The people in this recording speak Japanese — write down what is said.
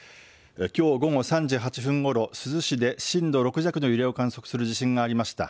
きょう午後３時８分ごろ珠洲市で震度６弱の揺れを観測する地震がありました。